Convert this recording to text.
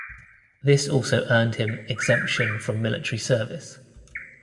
This also earned him exemption from military service.